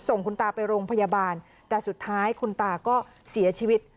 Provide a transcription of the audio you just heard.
คุณตาไปโรงพยาบาลแต่สุดท้ายคุณตาก็เสียชีวิต